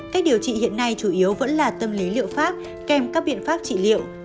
cách điều trị hiện nay chủ yếu vẫn là tâm lý liệu pháp kèm các biện pháp trị liệu